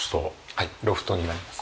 はいロフトになります。